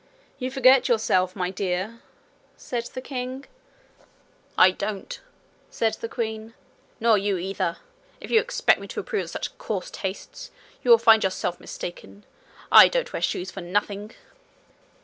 'You forget yourself, my dear!' said the king. 'I don't,' said the queen, 'nor you either. If you expect me to approve of such coarse tastes, you will find yourself mistaken. I don't wear shoes for nothing.'